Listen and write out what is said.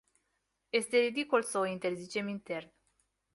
Este ridicol să o interzicem intern.